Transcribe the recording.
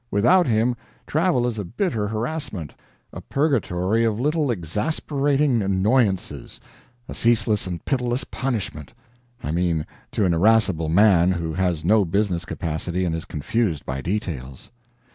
Without him, travel is a bitter harassment, a purgatory of little exasperating annoyances, a ceaseless and pitiless punishment I mean to an irascible man who has no business capacity and is confused by details.